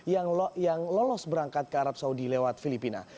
yang lolos berangkat ke arab saudi lewat filipina